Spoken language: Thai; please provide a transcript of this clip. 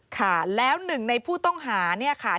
ค่ะแล้วหนึ่งในผู้ต้องหา